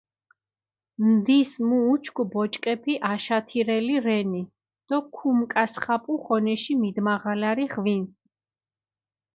ნდის მუ უჩქუ ბოჭკეფი აშათირელი რენი დო ქუმკასხაპუ ღონეში მიდმაღალარი ღვინს.